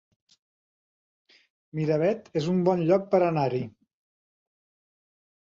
Miravet es un bon lloc per anar-hi